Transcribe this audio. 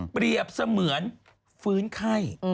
เปรียบเสมือนฟื้นไข้